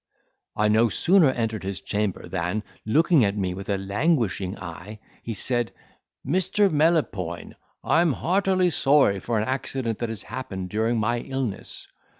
I no sooner entered his chamber than, looking at me with a languishing eye, he said, "Mr. Melopoyn, I'm heartily sorry for an accident that has happened during my illness.